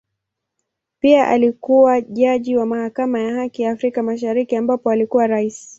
Pia alikua jaji wa Mahakama ya Haki ya Afrika Mashariki ambapo alikuwa Rais.